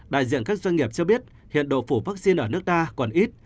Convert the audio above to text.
đại diện các doanh nghiệp cho biết hiện độ phủ vaccine ở nước ta còn ít